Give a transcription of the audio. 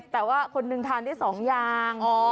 แต่ว่าคนหนึ่งทานได้๒อย่าง